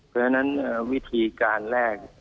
เพราะฉะนั้นวิธีการแรก